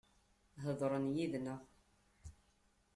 Heḍren yid-neɣ.